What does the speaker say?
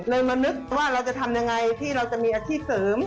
มานึกว่าเราจะทำยังไงที่เราจะมีอาชีพเสริม